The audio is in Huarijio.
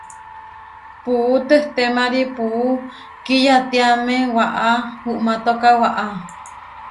Puú tehtémari puú kiyatiáme waʼá uʼmátoka waʼá.